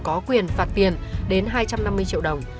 có quyền phạt tiền đến hai trăm năm mươi triệu đồng